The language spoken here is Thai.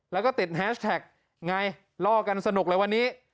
แล้วก็ติดแฮชแท็กไงล่อกันสนุกเลยวันนี้